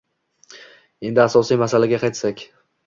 Endi asosiy masalaga qaytsak.